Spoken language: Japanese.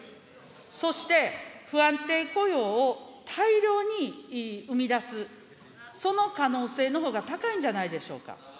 そして不安定雇用を大量に生み出す、その可能性のほうが高いんじゃないでしょうか。